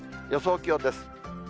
予想気温です。